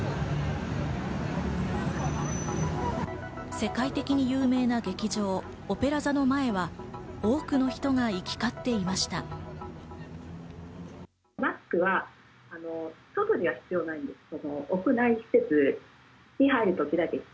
世界的に有名な劇場、オペラ座の前は多くの人が行き交っていました。